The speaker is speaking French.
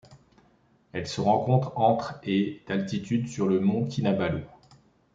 Elle se rencontre entre et d'altitude sur le mont Kinabalu.